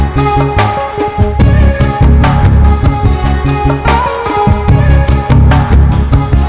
sehingga jadi seperti premiers